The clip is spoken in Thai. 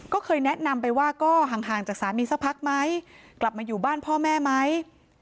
ก็เคยแนะนำไปว่าก็ห่างจากสามีสักพักไหมกลับมาอยู่บ้านพ่อแม่ไหม